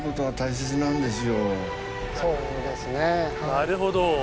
なるほど。